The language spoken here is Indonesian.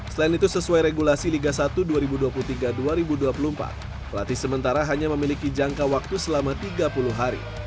selain itu sesuai regulasi liga satu dua ribu dua puluh tiga dua ribu dua puluh empat pelatih sementara hanya memiliki jangka waktu selama tiga puluh hari